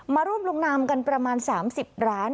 มาร่วมลงนามกันประมาณ๓๐ร้าน